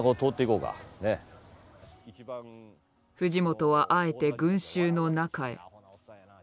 藤本はあえて群衆の中へ。